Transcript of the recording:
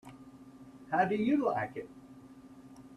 How do you like it?